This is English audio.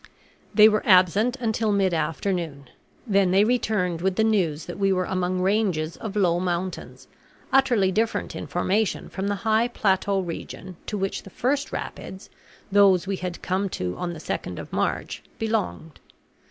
They were absent until mid afternoon. Then they returned with the news that we were among ranges of low mountains, utterly different in formation from the high plateau region to which the first rapids, those we had come to on the 2nd of March, belonged.